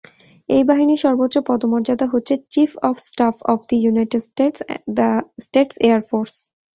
এই বাহিনীর সর্বোচ্চ পদমর্যাদা হচ্ছে chief of staff of the United States Air force.